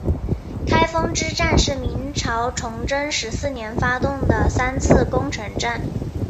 开封之战是明朝崇祯十四年发动的三次攻城战。